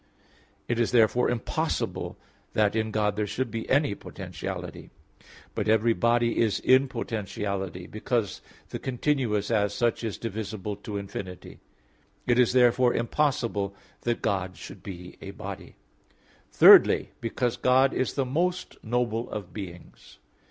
It is therefore impossible that in God there should be any potentiality. But every body is in potentiality because the continuous, as such, is divisible to infinity; it is therefore impossible that God should be a body. Thirdly, because God is the most noble of beings.